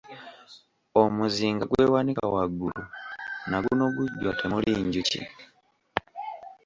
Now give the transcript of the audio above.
Omuzinga gwewanika waggulu na guno gujwa temuli njuki.